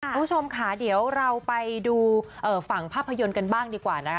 คุณผู้ชมค่ะเดี๋ยวเราไปดูฝั่งภาพยนตร์กันบ้างดีกว่านะคะ